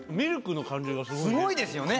スゴいですよね